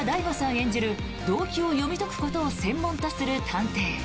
演じる動機を読み解くことを専門とする探偵。